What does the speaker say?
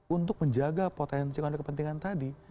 untuk menjaga potensi kepentingan tadi